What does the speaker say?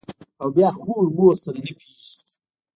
او بيا خور و مور سره نه پېژني.